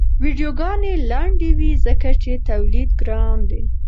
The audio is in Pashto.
ویډیوګانې لنډې وي ځکه چې تولید ګران دی.